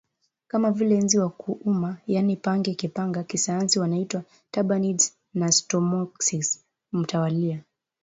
kama vile nzi wa kuuma yaani pange kipanga kisayansi wanaitwa Tabanids na Stomoxys mtawalia